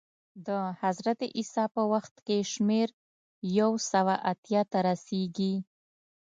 د حضرت عیسی په وخت کې شمېر یو سوه اتیا ته رسېږي